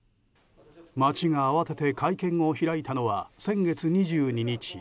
町が慌てて会見を開いたのは先月２２日。